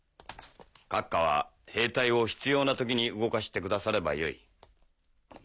閣下は兵隊を必要な時に動かしてくださればよい。